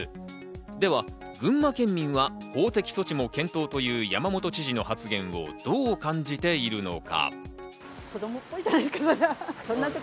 では群馬県民は法的措置も検討という山本知事の発言をどう感じているのか？